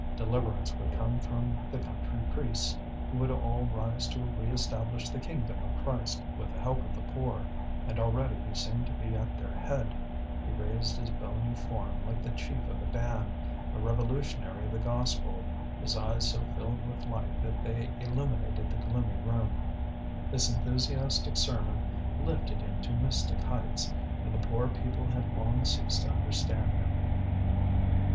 Deliverance would come from the country priests, who would all rise to re establish the kingdom of Christ, with the help of the poor; and already he seemed to be at their head; he raised his bony form like the chief of a band, a revolutionary of the gospel, his eyes so filled with light that they illuminated the gloomy room. This enthusiastic sermon lifted him to mystic heights, and the poor people had long ceased to understand him.